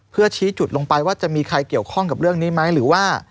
เพื่อชี้จุดลงไปว่าจะมีใครเกี่ยวข้องกับเรื่องนี้ไหมหรือว่า